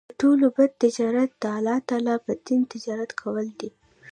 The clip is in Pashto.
تر ټولو بَد تجارت د الله تعالی په دين تجارت کول دی